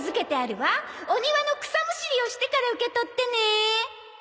お庭の草むしりをしてから受け取ってね。